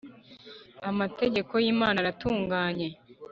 Amategeko y’ Imana aratunganye